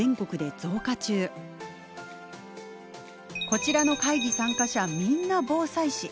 こちらの会議参加者みんな防災士。